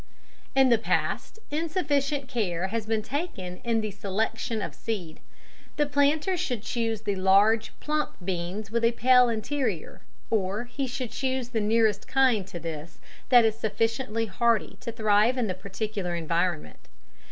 _ In the past insufficient care has been taken in the selection of seed. The planter should choose the large plump beans with a pale interior, or he should choose the nearest kind to this that is sufficiently hardy to thrive in the particular environment.